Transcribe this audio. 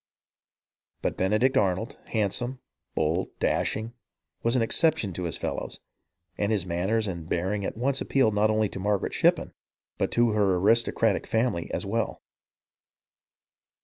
But Benedict Arnold, handsome, bold, dashing, was an exception to his fellows ; and his manners and bearing at once appealed not only to Margaret Shippen but to her aristocratic family as well.